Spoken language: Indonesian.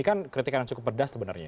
ini kan kritikan yang cukup pedas sebenarnya